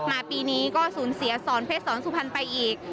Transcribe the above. มาปีนี้ก็สูญเสียสอนเพชรสอนสุพรรณไปอีก